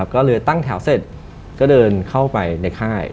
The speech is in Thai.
ก็เลยตั้งแถวเสร็จก็เดินเข้าไปในค่าย